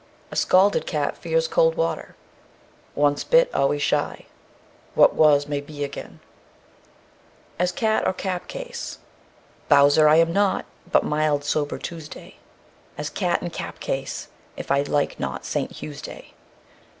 A scalded cat fears cold water. Once bit always shy. What was may be again. As cat or cap case. "Bouser I am not, but mild sober Tuesday, As catte in cap case, if I like not St. Hewsday."